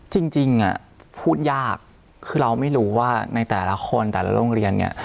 จริงพูดยากคือเราไม่รู้ว่าในแต่ละคนแต่ละโรงเรียนเนี่ย